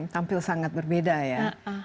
tampil sangat berbeda ya